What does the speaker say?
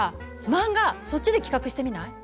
漫画そっちで企画してみない？